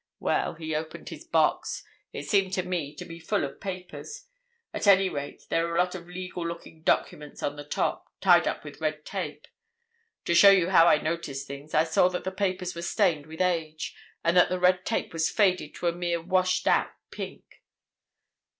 Well—he opened his box. It seemed to me to be full of papers—at any rate there were a lot of legal looking documents on the top, tied up with red tape. To show you how I notice things I saw that the papers were stained with age, and that the red tape was faded to a mere washed out pink."